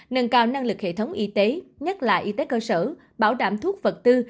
nâng cao năng lực hệ thống y tế nhắc lại y tế cơ sở bảo đảm thuốc vật tư